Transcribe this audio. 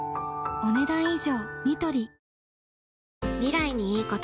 お、ねだん以上。